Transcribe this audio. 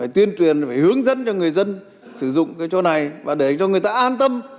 tuyên truyền hướng dẫn cho người dân sử dụng chỗ này và để cho người ta an tâm